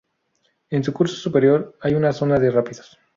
En su curso superior hay una zona de rápidos.